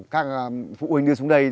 các phụ huynh đưa xuống đây